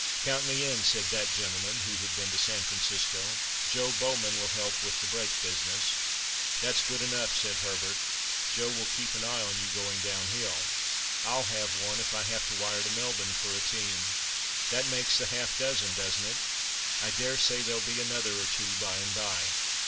"Count me in," said that gentleman, who had been to San Francisco; "Joe Bowman will help with the brake business." "That's good enough," said Herbert, "Joe will keep an eye on you going down hill. I'll have one, if I have to wire to Melbourne for a team, that makes the half dozen, doesn't it? I daresay there'll be another or two by and by.